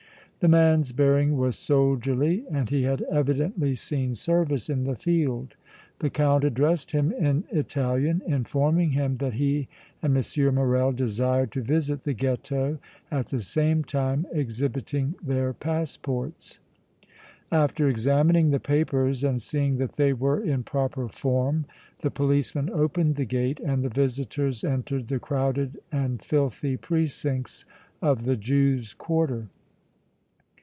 The man's bearing was soldierly and he had evidently seen service in the field. The Count addressed him in Italian, informing him that he and M. Morrel desired to visit the Ghetto, at the same time exhibiting their passports. After examining the papers and seeing that they were in proper form the policeman opened the gate and the visitors entered the crowded and filthy precincts of the Jews' quarter.